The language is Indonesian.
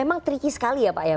memang tricky sekali ya pak ya